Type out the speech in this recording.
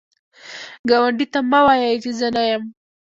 ګاونډي ته مه وایی چې زه نه یم